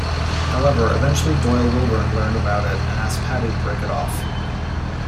However, eventually Doyle Wilburn learned about it and asked Patty to break it off.